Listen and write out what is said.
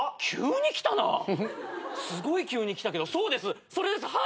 急にきたなすごい急にきたけどそうですそれです。